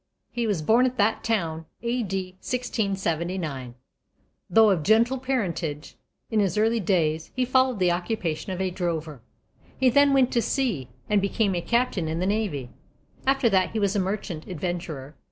He was born at that town A.D. 1679. Though of gentle parentage, in his early days he followed the occupation of a drover. He then went to sea, and became a Captain in the Navy; after that he was a Merchant Adventurer.